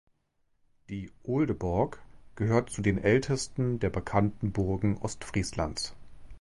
Die Olde Borg gehört zu den ältesten der bekannten Burgen Ostfrieslands.